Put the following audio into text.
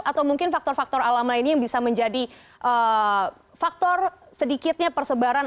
atau mungkin faktor faktor alam lainnya yang bisa menjadi faktor sedikitnya persebaran